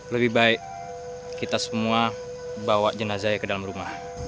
lebih baik kita semua bawa jenazahnya ke dalam rumah